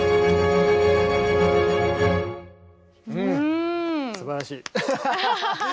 うんすばらしい。